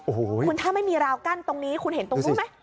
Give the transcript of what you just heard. โอ้โหคุณถ้าไม่มีราวกั้นตรงนี้คุณเห็นตรงนู้นไหม